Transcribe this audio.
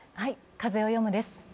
「風をよむ」です。